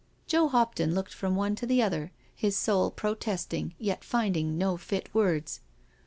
Joe Hopton looked from one to the other, his soul protesting yet finding no fit words.